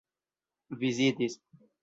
vizitis